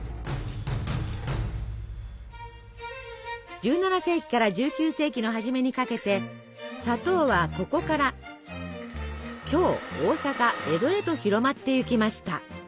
１７世紀から１９世紀の初めにかけて砂糖はここから京大坂江戸へと広まっていきました。